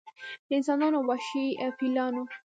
د انسانانو او وحشي فیلانو